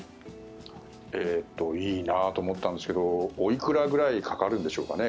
いいなと思ったんですけどおいくらぐらいかかるんでしょうかね。